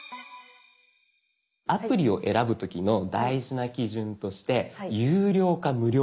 アプリを選ぶ時の大事な基準として有料か無料か。